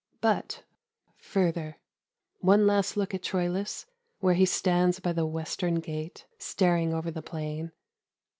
But further. One last look at Troilus where he stands by the western gate, staring over the plain.